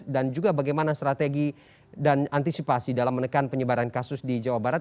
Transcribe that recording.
dan juga bagaimana strategi dan antisipasi dalam menekan penyebaran kasus di jawa barat